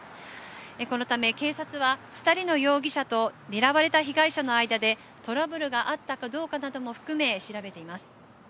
このため、警察は２人の容疑者と狙われた被害者の間でトラブルがあったかどうかなども含め、調べています。